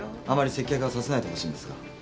あまり接客はさせないでほしいんですが。